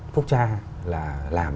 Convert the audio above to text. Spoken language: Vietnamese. phúc tra là làm